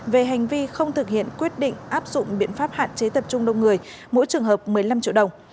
về hành vi không thực hiện quyết định áp dụng biện pháp hạn chế tập trung đông người mỗi trường hợp một mươi năm triệu đồng